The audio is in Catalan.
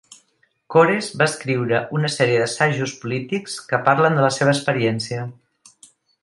Cores va escriure una sèrie d'assajos polítics que parlen de la seva experiència.